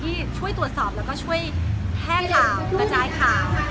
ที่ช่วยตรวจสอบแล้วก็ช่วยแห้งข่าวกระจายข่าว